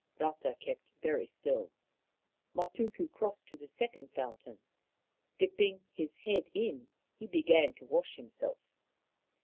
Rata kept very still. Matuku crossed to the second fountain. Dip ping his head in, he began to wash himself.